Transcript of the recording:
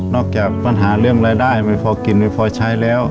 จากปัญหาเรื่องรายได้ไม่พอกินไม่พอใช้แล้ว